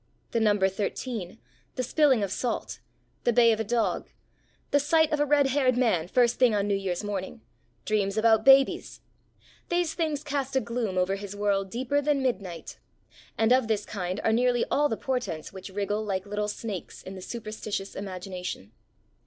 The number thirteen, the spilling of salt, the bay of a dog, the sight of a red haired man first thing on New Year's morning, dreams about babies these things cast a gloom over his world deeper than midnight; and of this kind are nearly all the portents which wriggle like little snakes in the superstitious imagination.